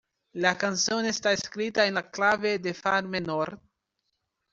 La canción está escrita en la clave de Fa menor.